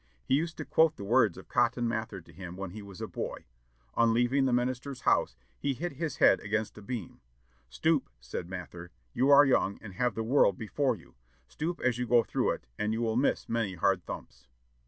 He used to quote the words of Cotton Mather to him when he was a boy. On leaving the minister's house, he hit his head against a beam. "'Stoop,' said Mather; 'you are young, and have the world before you; stoop as you go through it, and you will miss many hard thumps!'